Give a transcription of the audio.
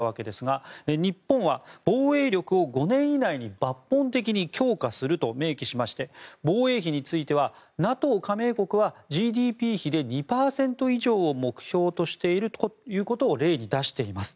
経済や財政の運営と改革の基本方針を示したわけですが日本は防衛力を５年以内に抜本的に強化すると明記しまして防衛費についてはＮＡＴＯ加盟国はＧＤＰ比で２％以上を目標としているということを例に出しています。